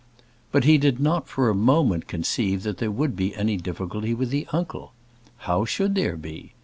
But he did not for a moment conceive that there would be any difficulty with the uncle. How should there be?